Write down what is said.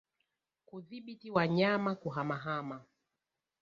Kudhibiti wanyama kuhamahama